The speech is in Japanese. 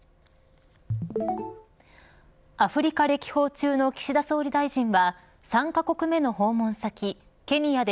アフリカ歴訪中の岸田総理大臣は３カ国目の訪問先、ケニアで